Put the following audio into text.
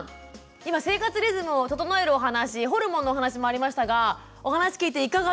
今生活リズムを整えるお話ホルモンのお話もありましたがお話聞いていかがですか？